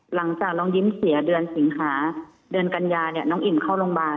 หลังจากน้องยิ้มเสียเดือนสิงหาเดือนกัญญาเนี่ยน้องอิ่มเข้าโรงพยาบาล